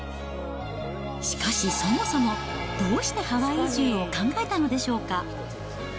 しかしそもそも、どうしてハワイ移住を考えたのでしょうか。